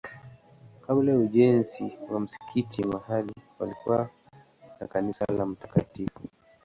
Kabla ya ujenzi wa msikiti mahali palikuwa na kanisa la Mt.